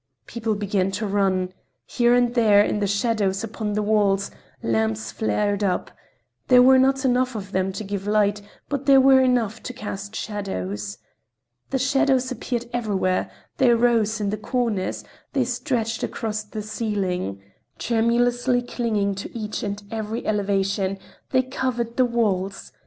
People began to run. Here and there, in the shadows upon the walls, lamps flared up—there were not enough of them to give light, but there were enough to cast shadows. The shadows appeared everywhere; they rose in the corners, they stretched across the ceiling; tremulously clinging to each and every elevation, they covered the walls.